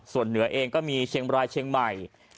ส่วนเหนือเองก็มีเชียงบรายเชียงใหม่